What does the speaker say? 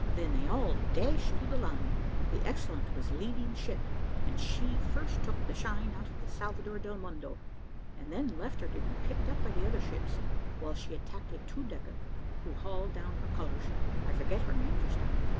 Then they all dashed through the line; the Excellent was the leading ship, and she first took the shine out of the Salvador del Mondo, and then left her to be picked up by the other ships, while she attacked a two decker, who hauled down her colours I forget her name just now.